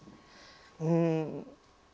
うん。